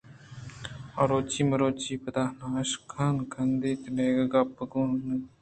آروچے مروچی ءَ پد نہ ایشاں گوں کندیت ءُنئیکہ گپ ءُ گال کنت